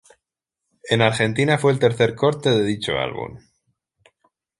En Argentina, fue el tercer corte de dicho álbum.